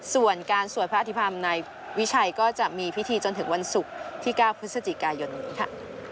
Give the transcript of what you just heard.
ส่วนการสวดพระอธิพรรมในวิชัยก็จะมีพิธีจนถึงวันศุกร์ที่๙พฤศจิกายนนี้ค่ะ